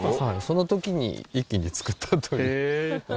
その時に一気に作ったという。